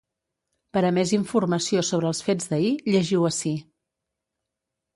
Per a més informació sobre els fets d’ahir, llegiu ací.